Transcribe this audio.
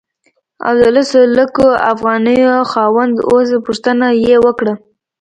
او د لسو لکو افغانیو خاوند اوسې پوښتنه یې وکړه.